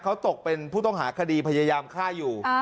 เขาตกเป็นผู้ต้องหาคดีพยายามฆ่าอยู่